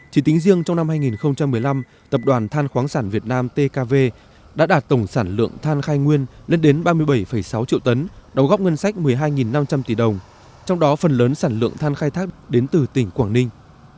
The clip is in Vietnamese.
chỉ tính riêng trong năm hai nghìn một mươi năm tập đoàn than khoáng sản việt nam tkv đã đạt tổng sản lượng than khai nguyên lên đến ba mươi bảy sáu triệu tấn đầu góp ngân sách một mươi hai năm trăm linh tỷ đồng trong đó phần lớn sản lượng than khai thác đến từ tỉnh quảng ninh